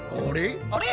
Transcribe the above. あれ？